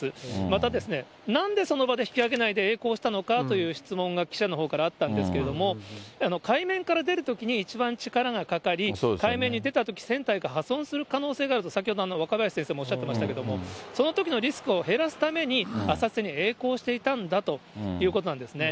また、なんでその場で引き揚げないでえい航したのかという質問が記者のほうからあったんですけれども、海面から出るときに一番力がかかり、海面に出たとき、船体が破損する可能性があると、先ほど若林先生もおっしゃってましたけれども、そのときのリスクを減らすために浅瀬にえい航していたんだということなんですね。